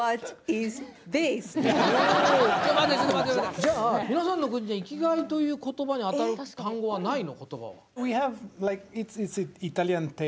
じゃあ、皆さんの国に生きがいという言葉にあたる単語はないの？